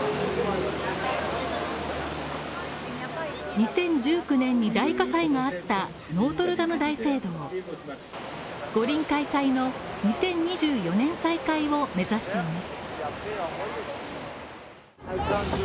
２０１９年に大火災があったノートルダム大聖堂、五輪開催の２０２４年再開を目指しています。